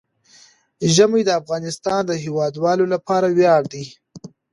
ژمی د افغانستان د هیوادوالو لپاره ویاړ دی.